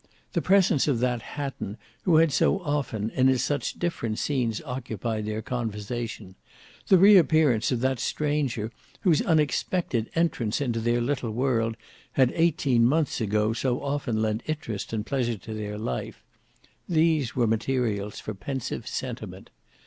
The presence of that Hatton who had so often and in such different scenes occupied their conversation; the re appearance of that stranger, whose unexpected entrance into their little world had eighteen months ago so often lent interest and pleasure to their life—these were materials for pensive sentiment.